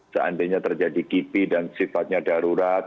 seandainya terjadi kipi dan sifatnya darurat